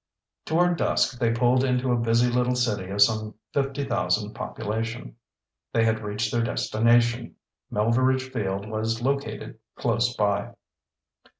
Toward dusk they pulled into a busy little city of some fifty thousand population. They had reached their destination. Melveredge Field was located close by.